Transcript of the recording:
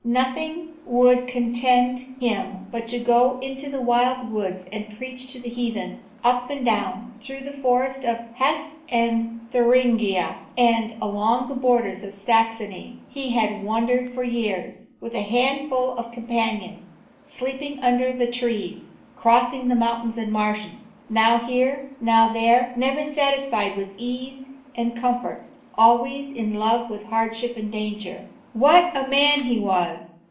Nothing would content him but to go out into the wild woods and preach to the heathen. Up and down through the forests of Hesse and Thuringia, and along the borders of Saxony, he had wandered for years, with a handful of companions, sleeping under the trees, crossing mountains and marshes, now here, now there, never satisfied with ease and comfort, always in love with hardship and danger. What a man he was!